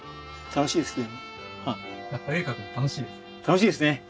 楽しいですね。